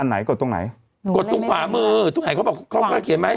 ไหนกดตรงไหนกดตรงขวามือตรงไหนเขาบอกเขาก็เขียนไหม